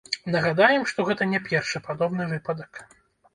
Нагадаем, што гэта не першы падобны выпадак.